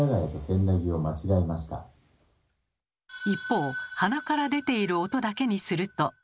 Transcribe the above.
一方鼻から出ている音だけにすると。